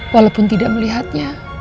walaupun tidak melihatnya